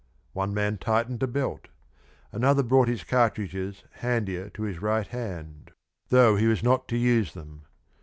One man tightened a belt, another brought his cartridges handier to his right hand, though he was not to use them.